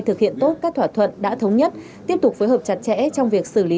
thực hiện tốt các thỏa thuận đã thống nhất tiếp tục phối hợp chặt chẽ trong việc xử lý